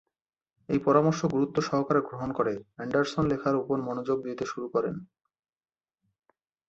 এই পরামর্শ গুরুত্ব সহকারে গ্রহণ করে, এন্ডারসন লেখার উপর মনোযোগ দিতে শুরু করেন।